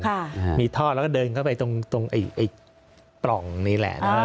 อ่ามีท่อแล้วก็เดินเข้าไปตรงตรงไอ้ไอ้ปล่องนี่แหละเนอะ